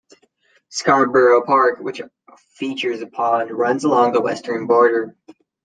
Scarborough Park, which features a pond, runs along the western border.